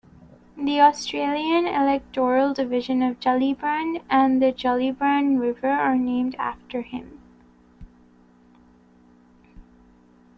The Australian electoral Division of Gellibrand and the Gellibrand River are named after him.